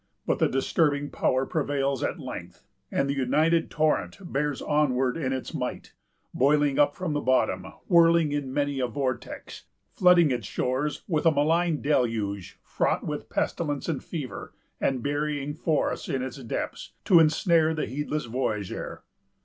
But the disturbing power prevails at length; and the united torrent bears onward in its might, boiling up from the bottom, whirling in many a vortex, flooding its shores with a malign deluge fraught with pestilence and fever, and burying forests in its depths, to insnare the heedless voyager.